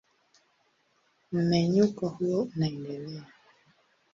Mmenyuko huo unaendelea.